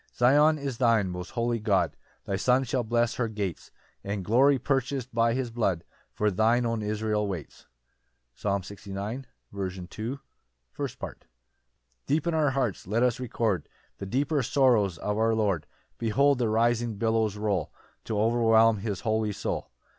6 Zion is thine, most holy God; Thy Son shall bless her gates; And glory purchas'd by his blood For thine own Israel waits. Psalm 69:4. First Part. L. M. Christ's passion, and sinners' salvation. 1 Deep in our hearts let us record The deeper sorrows of our Lord; Behold the rising billows roll To overwhelm his holy soul.